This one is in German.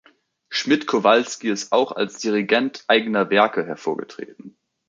Schmidt-Kowalski ist auch als Dirigent eigener Werke hervorgetreten.